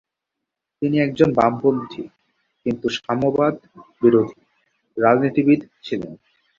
তিনি একজন বামপন্থী, কিন্তু সাম্যবাদ-বিরোধী, রাজনীতিবিদ ছিলেন।